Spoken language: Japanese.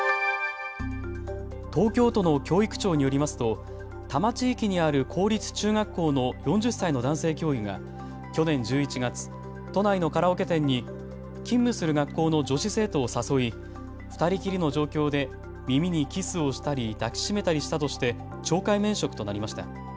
東京都の教育庁によりますと多摩地域にある公立中学校の４０歳の男性教諭が去年１１月、都内のカラオケ店に勤務する学校の女子生徒を誘い２人きりの状況で耳にキスをしたり抱き締めたりしたとして懲戒免職となりました。